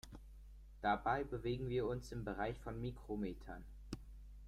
Dabei bewegen wir uns im Bereich von Mikrometern.